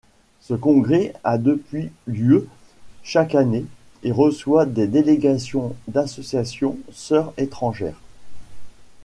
Ce congrès a depuis lieu chaque année et reçoit des délégations d'associations sœurs étrangères.